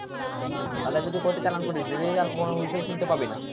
তাদের যদি কোর্টে চালান করিস, রেডিওতে আর কখনো হুইসেল শুনতে পাবি না।